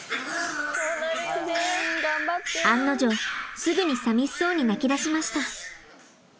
案の定すぐにさみしそうに鳴きだしました。